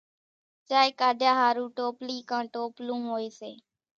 چائيَ ڪاڍِيا ۿارُو ٽوپلِي ڪان ٽوپلون هوئيَ سي۔